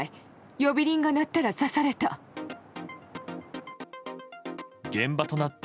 呼び鈴が鳴ったら刺された。